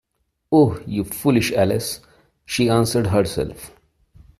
‘Oh, you foolish Alice!’ she answered herself.